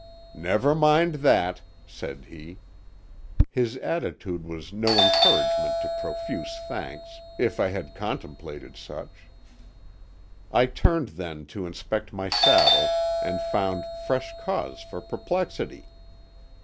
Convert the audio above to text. "Never mind that," said he. His attitude was no encouragement to profuse thanks, if I had contemplated such. I turned then to inspect my saddle, and found fresh cause for perplexity.